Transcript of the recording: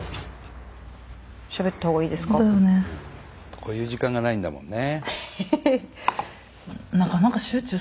こういう時間がないんだもんね。